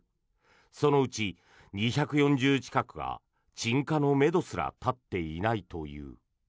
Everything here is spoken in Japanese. そのうち２４０近くが鎮火のめどすら立っていないという。